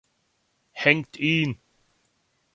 Hängt ihn!